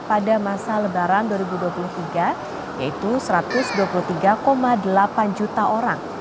pada masa lebaran dua ribu dua puluh tiga yaitu satu ratus dua puluh tiga delapan juta orang